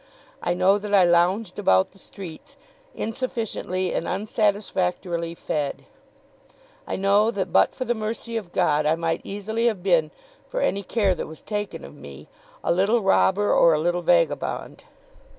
I know that I lounged about the streets, insufficiently and unsatisfactorily fed. I know that, but for the mercy of God, I might easily have been, for any care that was taken of me, a little robber or a little vagabond.